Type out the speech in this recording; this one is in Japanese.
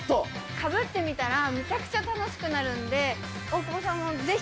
かぶってたら、むちゃくちゃ楽しくなるんで、大久保さんもぜひ。